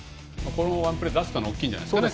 このワンプレー、ラストの大きかったんじゃないですか。